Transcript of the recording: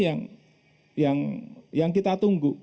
yang yang yang kita tunggu